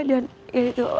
dan ya itu